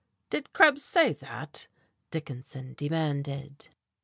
"Did Krebs say that?" Dickinson demanded.